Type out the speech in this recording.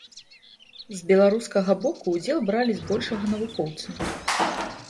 З беларускага боку ўдзел бралі збольшага навукоўцы.